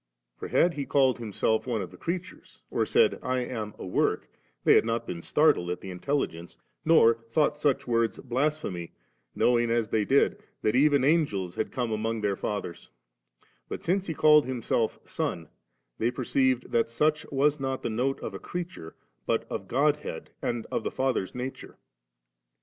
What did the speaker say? For had He called Himself one of the creatures, or said, *I am a work/ they had not been startled at the intelligence, nor thought such woTds blasphemy, knowing, as they did, that even Angels had come among their fathers; but since He called Him self Son, they perceived that such was not Ac note of a creature, but of Godhead and of the Father's nature ■•.